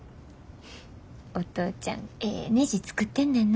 お父ちゃんええねじ作ってんねんな。